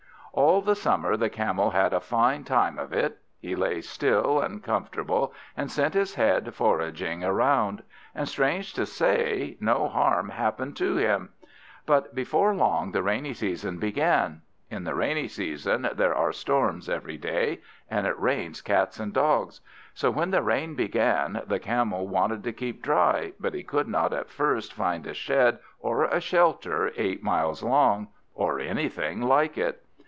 All the summer the Camel had a fine time of it; he lay still and comfortable and sent his head foraging around, and strange to say, no harm happened to him. But before long the rainy season began. In the rainy season there are storms every day, and it rains cats and dogs. So when the rain began, the Camel wanted to keep dry, but he could not at first find a shed or a shelter eight miles long, or anything like it.